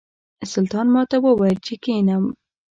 سلطان ماته وویل چې کښېنم.